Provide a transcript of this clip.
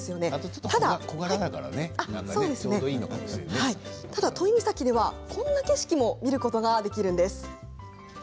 ただ都井岬ではこんな景色も見ることができるんです。